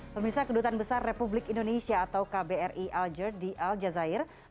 pemirsa kedutan besar republik indonesia atau kbri aljer di aljazeera